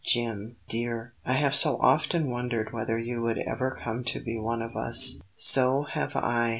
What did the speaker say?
Jim, dear, I have so often wondered whether you would ever come to be one of us." "So have I."